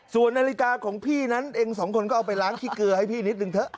ส่วนนาฬิกาของพี่นั้นเองสองคนก็เอาไปล้างขี้เกลือให้พี่นิดนึงเถอะ